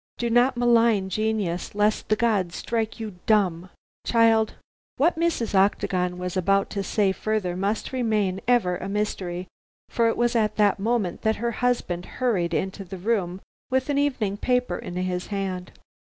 "Do not malign genius, lest the gods strike you dumb. Child " What Mrs. Octagon was about to say further must remain ever a mystery, for it was at this moment that her husband hurried into the room with an evening paper in his hand.